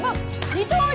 二刀流！